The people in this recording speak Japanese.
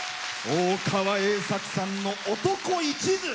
大川栄策さんの「男一途」！